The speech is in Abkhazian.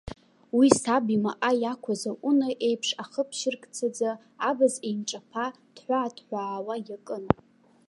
Уи, саб имаҟа иақәыз аҟәына еиԥш ахы ԥшьыркцаӡа, абз еимҿаԥа ҭхәаа-ҭхәаауа иакын.